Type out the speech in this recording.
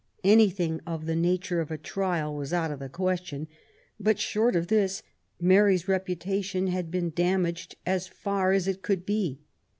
Anything of the nature of a trial was out of the question ; but, short of this, Mary's reputation had been damaged as far as it could be.